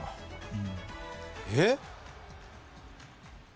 えっ？